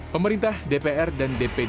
pemerintah dpr dan dprd